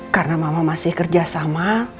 karena mama masih kerja sama